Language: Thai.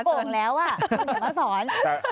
ตัวโปร่งแล้วอ่ะอย่ามาสอน